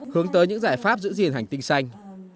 hướng tới những giải pháp giữ gìn hành tinh xanh